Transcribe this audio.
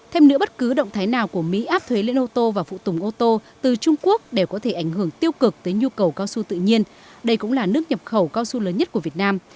thêm nữa bất cứ động thái nào của mỹ áp thuế lên ô tô và phụ tùng ô tô từ trung quốc đều có thể ảnh hưởng tiêu cực tới nhu cầu cao su tự nhiên đây cũng là nước nhập khẩu cao su lớn nhất của việt nam